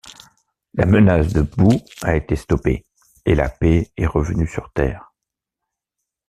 La menace de Boo a été stoppée, et la paix est revenue sur Terre.